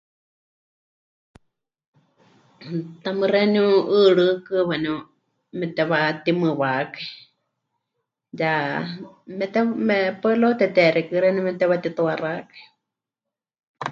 Tamɨ́ xeeníu 'ɨɨrɨ́kɨ waníu mepɨtewatimɨwakai ya mete... me... paɨ luego teteexíkɨ xeeníu mepɨtewatituaxakai.